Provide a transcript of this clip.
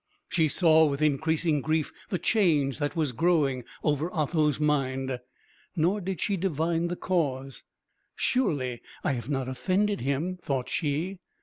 She saw with increasing grief the change that was growing over Otho's mind; nor did she divine the cause. "Surely I have not offended him?" thought she.